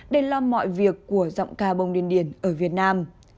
để lo mọi việc của giọng ca bông điên điển ở việt nam